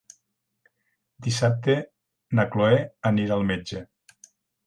Dissabte na Cloè anirà al metge.